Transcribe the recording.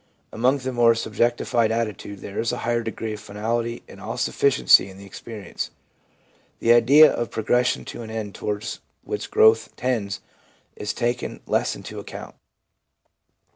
Along with a more subjectified attitude there is a higher degree of finality and all sufificiency in the experience ; the idea of progression to an end towards which growth tends is taken less into account.